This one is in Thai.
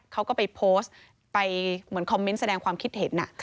เขาก็ไปโพสต์ไปเหมือนคอมเมนต์แสดงความคิดเห็น